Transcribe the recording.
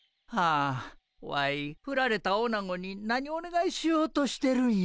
あワイふられたオナゴに何おねがいしようとしてるんや。